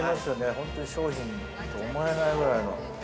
ホントに商品と思えないくらいの。